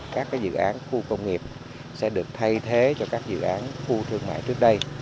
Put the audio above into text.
các dự án khu công nghiệp sẽ được thay thế cho các dự án khu thương mại trước đây